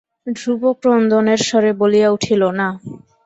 ধ্রুব ক্রন্দনের স্বরে বলিয়া উঠিল, না।